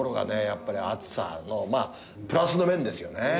やっぱり暑さのプラスの面ですよね。